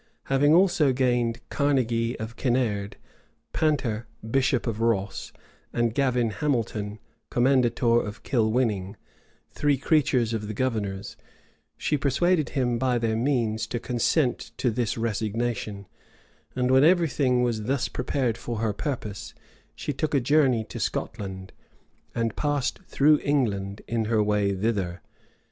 Having also gained Carnegy of Kinnaird, Panter, bishop of Ross, and Gavin Hamilton, commendator of Kilwinning, three creatures of the governor's, she persuaded him, by their means, to consent to this resignation;[*] and when every thing was thus prepared for her purpose, she took a journey to Scotland, and passed through England in her way thither.